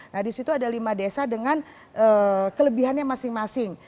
nah di situ ada lima desa dengan kelebihannya masing masing